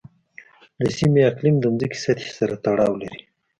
د سیمې اقلیم د ځمکې سطحې سره تړاو لري.